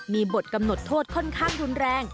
มีบทกำหนดโทษค่อนข้างรุนแรง